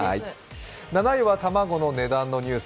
７位は卵の値段のニュース。